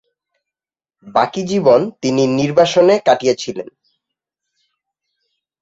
বাকি জীবন তিনি নির্বাসনে কাটিয়েছিলেন।